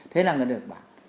thế là người ta được bán